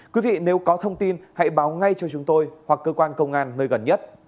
quý vị nếu có thông tin hãy báo ngay cho chúng tôi hoặc cơ quan công an nơi gần nhất